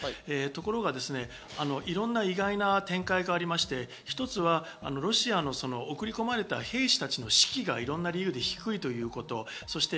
ところが、いろんな意外な展開がありまして、ひとつはロシアの送り込まれた兵士たちの士気がいろんな理由で低いということ。